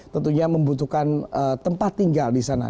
tentunya membutuhkan tempat tinggal di sana